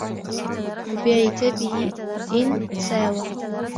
وَبِعِتَابِهِ إنْ سَاوَى